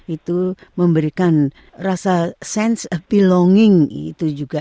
itu memberikan rasa sense of belonging itu juga